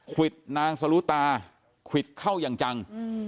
วิดนางสรุตาควิดเข้าอย่างจัง